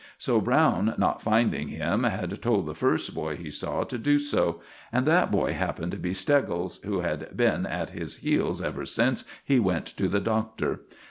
So Browne, not finding him, had told the first boy he saw to do so; and that boy happened to be Steggles, who had been at his heels ever since he went to the Doctor.